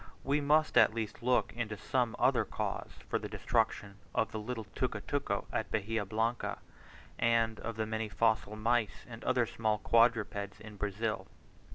We must at least look to some other cause for the destruction of the little tucutuco at Bahia Blanca, and of the many fossil mice and other small quadrupeds in Brazil.